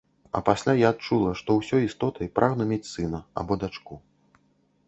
А пасля я адчула, што ўсёй істотай прагну мець сына або дачку.